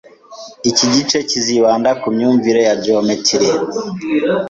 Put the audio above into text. Iki gice kizibanda kumyumvire ya geometrie.